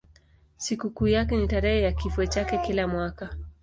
Sikukuu yake ni tarehe ya kifo chake kila mwaka.